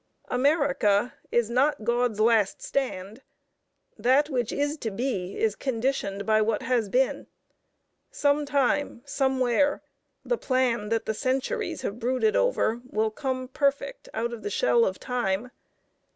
America is not God's last stand. That which is to be is conditioned by what has been. Sometime, somewhere, the Plan that the centuries have brooded over will come perfect out of the shell of Time.